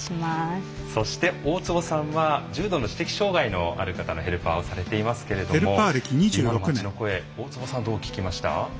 そして大坪さんは重度の知的障害のある方のヘルパーをされていますけれども今の街の声大坪さんはどう聞きました？